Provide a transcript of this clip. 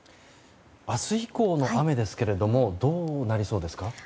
明日以降の雨ですがどうなりそうですか。